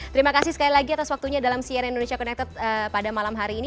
terima kasih sekali lagi atas waktunya dalam cnn indonesia connected pada malam hari ini